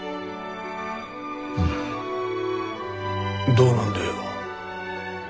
どうなんだよ。